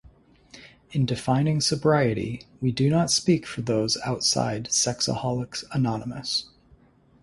In defining sobriety, we do not speak for those outside Sexaholics Anonymous.